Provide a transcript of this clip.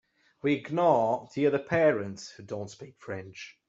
We ignore the other parents who don’t speak French.